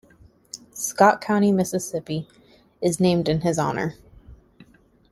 Scott County, Mississippi is named in his honor.